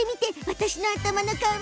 私の頭の冠。